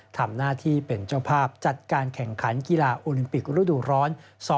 ทำหน้าที่เป็นเจ้าภาพจัดการแข่งขันกีฬาโอลิมปิกฤดูร้อน๒๕๖